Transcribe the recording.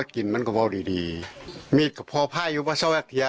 อันนี้เป็นคำกล่าวอ้างของทางฝั่งของพ่อตาที่เป็นผู้ต้องหานะ